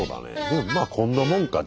でもまあこんなもんか。